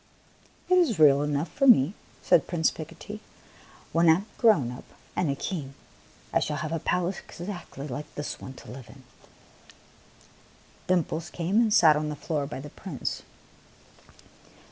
'' It is real enough for me," said Prince Pico tee. "When I am grown up and a king, I shall have a palace exactly like this to live in." Dimples came and sat on the floor by the Prince.